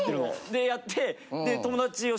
でやって。